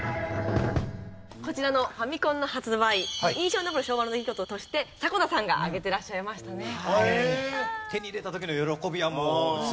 こちらのファミコンの発売印象に残る昭和の出来事として迫田さんが挙げてらっしゃいましたね。